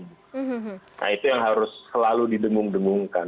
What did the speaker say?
nah itu yang harus selalu didengung dengungkan